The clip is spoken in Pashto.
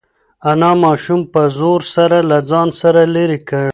انا ماشوم په زور سره له ځانه لرې کړ.